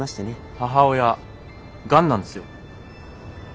母親がんなんですよ。